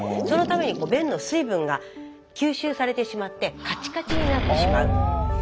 そのために便の水分が吸収されてしまってカチカチになってしまうという便秘。